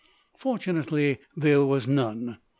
Fortunately there was none.